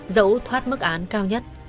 dẫu thoát mức án cao nhất